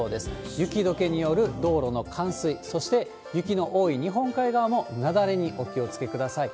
雪どけによる道路の冠水、そして雪の多い日本海側も雪崩にお気をつけください。